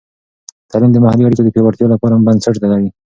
تعلیم د محلي اړیکو د پیاوړتیا لپاره بنسټ لري.